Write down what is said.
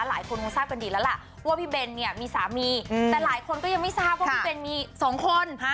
หลายคนคงทราบกันดีแล้วล่ะว่าพี่เบนเนี่ยมีสามีแต่หลายคนก็ยังไม่ทราบว่าพี่เบนมีสองคน